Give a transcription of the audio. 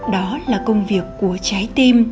đó là công việc của trái tim